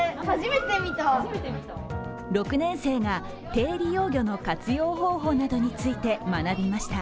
６年生が低利用魚の活用方法などについて学びました。